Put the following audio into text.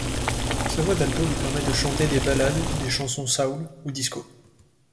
Sa voix d'alto lui permet de chanter des ballades, des chansons soul ou disco.